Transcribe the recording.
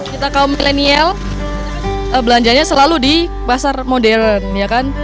kita kaum milenial belanjanya selalu di pasar modern